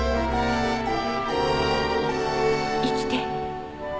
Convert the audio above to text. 生きて。